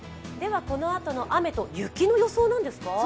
このあとの雨と雪の予想なんですか？